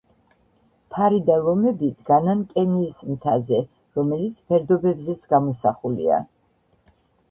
ფარი და ლომები დგანან კენიის მთაზე, რომელიც ფერდობებზეც გამოსახულია.